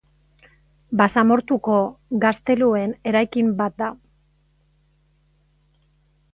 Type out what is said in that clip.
Basamortuko gazteluen eraikin bat da.